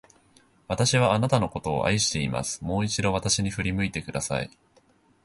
私はあなたのことを愛していました。もう一度、私に振り向いてください。